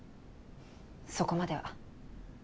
そこまでは。